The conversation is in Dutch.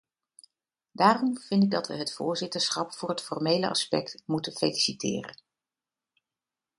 Daarom vind ik dat we het voorzitterschap voor het formele aspect moeten feliciteren.